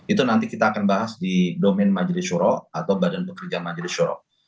itu nanti kita akan bahas di domen majelis syuroh atau badan pekerja majelis syuroh